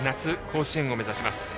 甲子園を目指します。